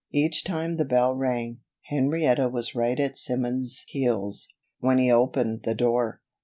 Each time the bell rang, Henrietta was right at Simmons's heels when he opened the door.